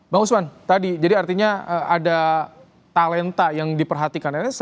bang usman tadi jadi artinya ada talenta yang diperhatikan